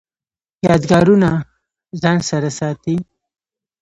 یادګارونه ځان سره ساتئ؟